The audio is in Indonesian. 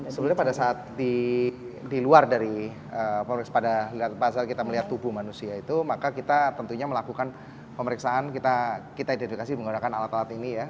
jadi pada saat di luar dari pemeriksaan pada saat kita melihat tubuh manusia itu maka kita tentunya melakukan pemeriksaan kita identifikasi menggunakan alat alat ini ya